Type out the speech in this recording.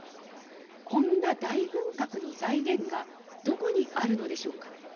こんな大軍拡の財源がどこにあるのでしょうか。